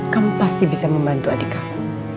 kamu pasti bisa membantu adik kamu